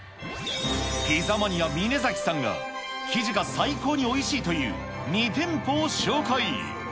ピザマニア、峯崎さんが生地が最高においしいという、２店舗を紹介。